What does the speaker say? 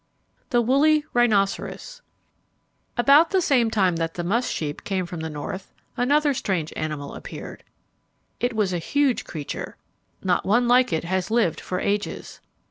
The Woolly Rhinoceros About the same time that the musk sheep came from the north, another strange animal appeared. It was a huge creature. Not one like it has lived for ages.